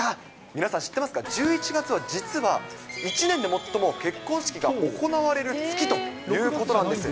皆さん、知ってますか、１１月は実は、１年で最も結婚式が行われる月ということなんです。